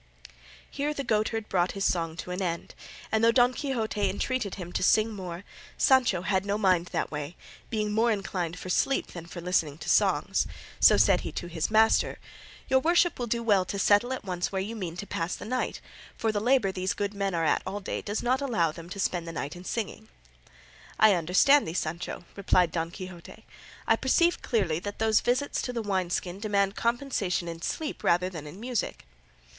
Here the goatherd brought his song to an end, and though Don Quixote entreated him to sing more, Sancho had no mind that way, being more inclined for sleep than for listening to songs; so said he to his master, "Your worship will do well to settle at once where you mean to pass the night, for the labour these good men are at all day does not allow them to spend the night in singing." "I understand thee, Sancho," replied Don Quixote; "I perceive clearly that those visits to the wine skin demand compensation in sleep rather than in music."